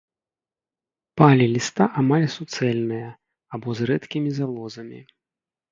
Палі ліста амаль суцэльныя або з рэдкімі залозамі.